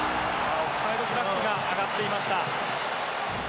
オフサイドフラッグが上がっていました。